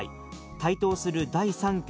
台頭する“第３極”